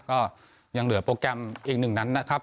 ก็ยังเหลือโปรแกรมอีกหนึ่งนัดนะครับ